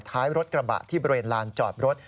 ท้ายรถกระบะที่บริเวณลานจอดรถ